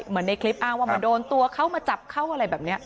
เหมือนในคลิปอ้างว่ามาโดนตัวเขามาจับเขาอะไรแบบนี้